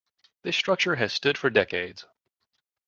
This structure has stood for decades.